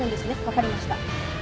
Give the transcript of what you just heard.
分かりました。